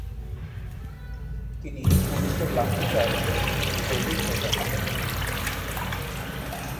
তিনি পুলিশের লাঠি চার্চে গভীর ভাবে আহত হন।